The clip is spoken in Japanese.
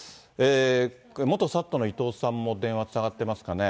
元ＳＡＴの伊藤さんも電話つながってますかね。